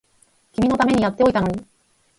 君のためにやっておいたのに